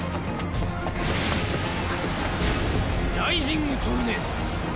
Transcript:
「ライジングトルネード」！